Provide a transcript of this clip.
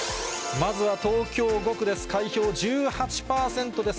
まずは東京５区です。